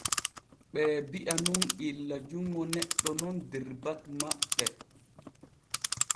Ɓee bi’a nun illa junŋo neɗɗo nun der batu maɓɓe.